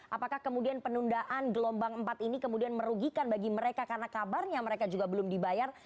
apakah kemudian penundaan gelombang empat ini kemudian merugikan bagi mereka karena kabarnya mereka juga belum dibayar